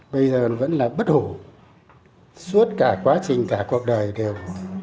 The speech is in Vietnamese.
bây giờ vẫn là bất hủ suốt cả quá trình cả cuộc đời đều